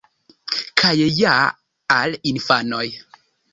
Kaj ja al infanoj!